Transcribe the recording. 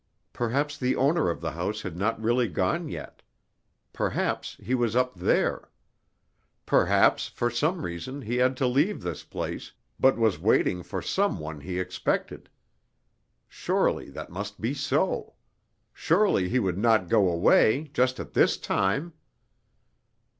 Perhaps the owner of the house had not really gone yet. Perhaps he was up there. Perhaps for some reason he had to leave this place, but was waiting for Some One he expected. Surely that must be so! Surely he would not go away, just at this time?